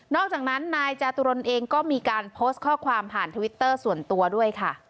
อกจากนั้นนายจาตุรนเองก็มีการโพสต์ข้อความผ่านทวิตเตอร์ส่วนตัวด้วยค่ะ